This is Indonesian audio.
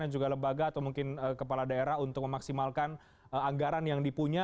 dan juga lembaga atau mungkin kepala daerah untuk memaksimalkan anggaran yang dipunya